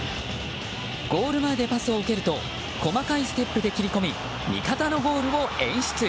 ゴール前でパスを受けると細かいステップで切り込み味方のゴールを演出。